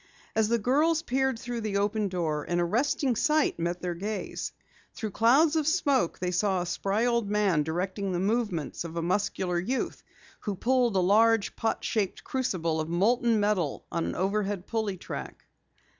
As the girls peered through the open door an arresting sight met their gaze. Through clouds of smoke they saw a spry old man directing the movements of a muscular youth who pulled a large pot shaped crucible of molten metal on an overhead pulley track.